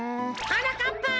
はなかっぱ！